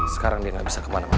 sekarang dia nggak bisa kemana mana